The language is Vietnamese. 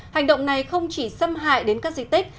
hành động này không chỉ xâm hại đến các di tích